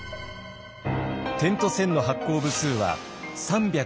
「点と線」の発行部数は３２２万部。